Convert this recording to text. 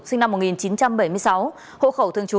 sinh năm một nghìn chín trăm bảy mươi sáu hộ khẩu thường trú